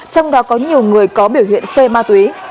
trong đó có nhiều người có biểu hiện phê ma túy